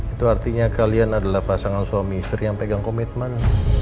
itu artinya kalian adalah pasangan suami istri yang pegang komitmen